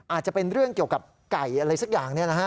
อาจจะเป็นเรื่องเกี่ยวกับไก่อะไรสักอย่าง